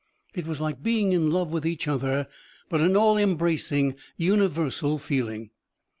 It was like being in love with each other, but an all embracing, universal feeling.